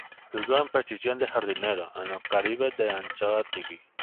Jugó en posición de jardinero en los Caribes de Anzoátegui.